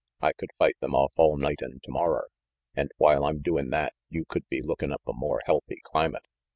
"I could fight them off all night an' tomorrer, an' while I'm doin' that, you could be lookin' up a more healthy climate.